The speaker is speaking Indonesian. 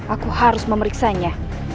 aku harus memeriksanya